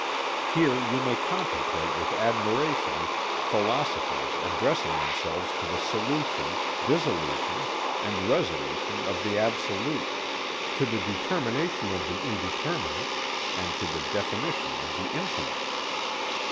Here you may contemplate with admiration philosophers addressing themselves to the solution, dissolution, and resolution of the Absolute, to the determination of the Indeterminate and to the definition of the Infinite.